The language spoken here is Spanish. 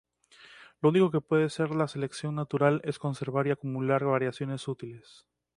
Lo único que puede hacer la selección natural es conservar y acumular variaciones útiles.